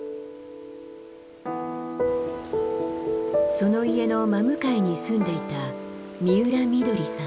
その家の真向かいに住んでいた三浦翠さん。